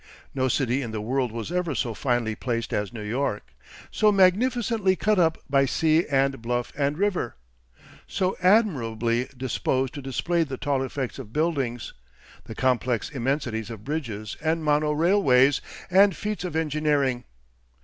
No city in the world was ever so finely placed as New York, so magnificently cut up by sea and bluff and river, so admirably disposed to display the tall effects of buildings, the complex immensities of bridges and mono railways and feats of engineering.